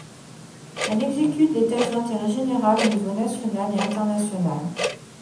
Elle exécute des tâches d’intérêt général, aux niveaux national et international.